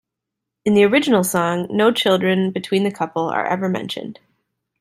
In the original song, no children between the couple are ever mentioned.